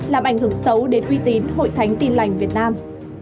làm ảnh hưởng xấu đến uy tín hội thánh tin lành việt nam